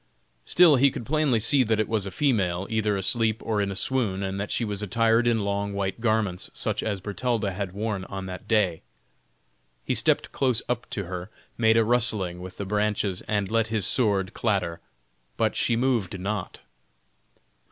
Still he could plainly see that it was a female, either asleep or in a swoon, and that she was attired in long white garments, such as Bertalda had worn on that day. He stepped close up to her, made a rustling with the branches, and let his sword clatter, but she moved not.